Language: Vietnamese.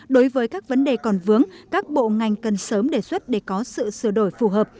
đối với các vấn đề còn vướng các bộ ngành cần sớm đề xuất để có sự sửa đổi phù hợp